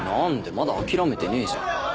まだ諦めてねえじゃん。